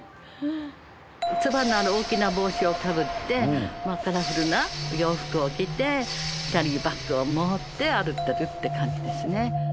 ツバのある大きな帽子をかぶってカラフルなお洋服を着てキャリーバッグを持って歩いてるって感じですね。